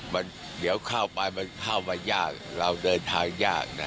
มันเดี๋ยวเข้าไปมันเข้ามายากเราเดินทางยากนะ